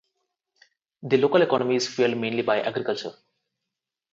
The local economy is fuelled mainly by agriculture.